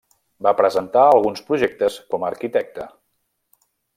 Va presentar alguns projectes com a arquitecte.